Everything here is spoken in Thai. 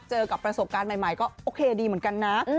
เจอกับประสบการณ์ใหม่ก็โอเคดีเหมือนกันนะ